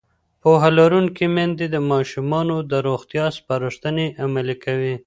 پوهه لرونکې میندې د ماشومانو د روغتیا سپارښتنې عملي کوي.